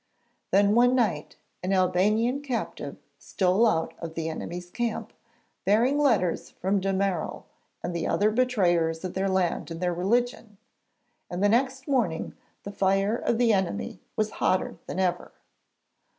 Then one night an Albanian captive stole out to the enemy's camp, bearing letters from de Merall and the other betrayers of their land and their religion, and the next morning the fire of the enemy was hotter than ever.